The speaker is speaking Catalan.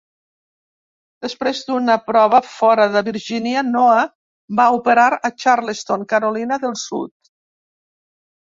Després d'una prova fora de Virgínia, "Noa" va operar a Charleston, Carolina del Sud.